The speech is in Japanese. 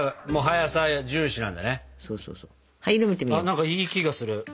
何かいい気がする。